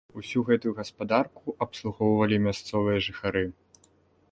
Усю гэтую гаспадарку абслугоўвалі мясцовыя жыхары.